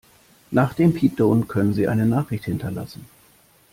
Nach dem Piepton können Sie eine Nachricht hinterlassen.